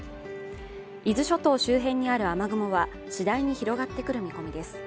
伊豆諸島周辺にある雨雲は次第に広がってくる見込みです